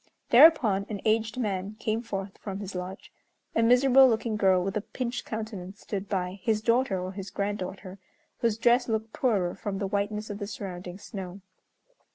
Thereupon an aged man came forth from his lodge. A miserable looking girl with a pinched countenance stood by, his daughter or his granddaughter, whose dress looked poorer from the whiteness of the surrounding snow.